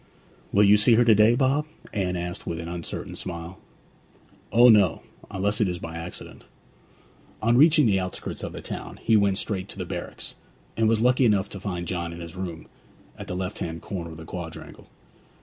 'Will you see her to day, Bob?' Anne asked with an uncertain smile. 'O no unless it is by accident.' On reaching the outskirts of the town he went straight to the barracks, and was lucky enough to find John in his room, at the left hand corner of the quadrangle.